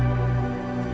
terima kasih ya